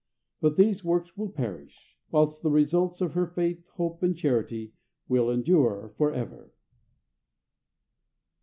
But these works will perish, whilst the results of her faith, hope, and charity, will endure forever.